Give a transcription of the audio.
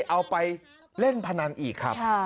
เอาไปเล่นพนันอีกครับ